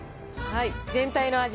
全体の味